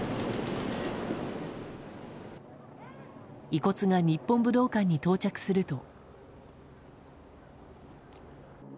遺骨が日本武道館に到着すると。